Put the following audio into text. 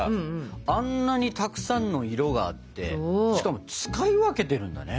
あんなにたくさんの色があってしかも使い分けてるんだね。